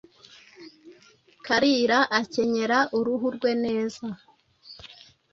Kalira akenyera uruhu rwe neza,